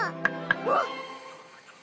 うわっ！